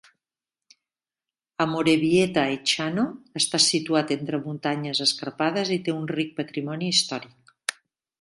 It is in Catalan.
Amorebieta-Etxano està situat entre muntanyes escarpades i té un ric patrimoni històric.